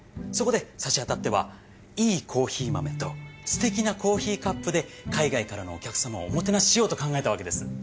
そこでさしあたってはいいコーヒー豆とステキなコーヒーカップで海外からのお客様をおもてなししようと考えたわけです。